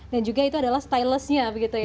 dan juga itu adalah stylusnya begitu ya